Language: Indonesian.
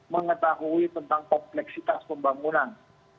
mengetahui tentang kompleksitas pembangunan